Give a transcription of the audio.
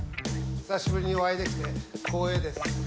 久しぶりにお会いできて光栄です。